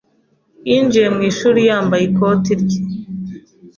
Yinjiye mu ishuri yambaye ikote rye.